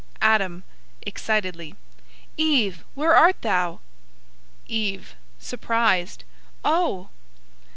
ADAM (excitedly). Eve, where art thou? EVE (surprised). Oh!